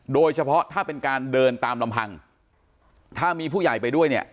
โดยเฉพาะถ้าเป็นการเดินตามลำพังถ้ามีผู้ใหญ่ไปด้วยเนี่ย